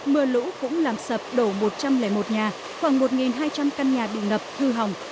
mưa lũ cũng làm sập đổ một trăm linh một nhà khoảng một hai trăm linh căn nhà bị ngập hư hỏng